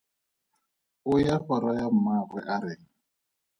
O ya go raya mmaagwe a reng?